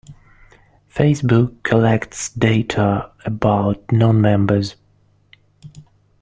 Facebook collects data about non-members.